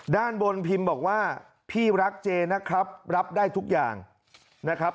ด้านบนพิมพ์บอกว่าพี่รักเจนะครับรับได้ทุกอย่างนะครับ